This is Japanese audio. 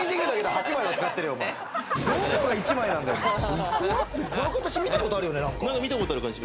いすは、この形、見たことあるよね。